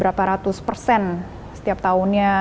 berapa ratus persen setiap tahunnya